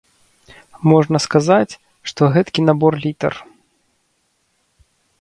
Можна сказаць, што гэткі набор літар.